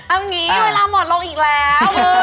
เอางี้เวลาหมดลงอีกแล้ว